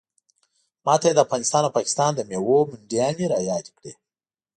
ماته یې د افغانستان او پاکستان د میوو منډیانې رایادې کړې.